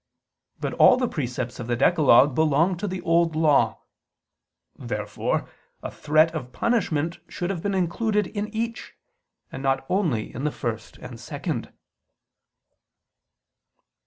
But all the precepts of the decalogue belong to the Old Law. Therefore a threat of punishment should have been included in each, and not only in the first and second.